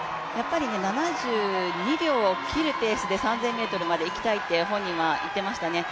７２秒を切るペースで３０００ｍいきたいって本人は言っていましたね。